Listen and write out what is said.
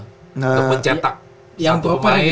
untuk mencetak satu pemain